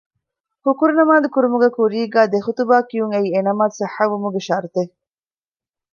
ހުކުރު ނަމާދު ކުރުމުގެ ކުރީގައި ދެ ޚުޠުބާ ކިޔުން އެއީ އެ ނަމާދު ޞައްޙަވުމުގެ ޝަރުޠެއް